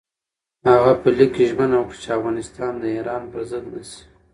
هغه لیک کې ژمنه وکړه چې افغانستان د ایران پر ضد نه شي.